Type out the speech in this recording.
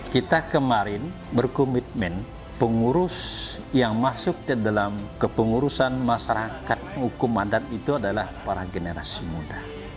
kita kemarin berkomitmen pengurus yang masuk ke dalam kepengurusan masyarakat hukum mandat itu adalah para generasi muda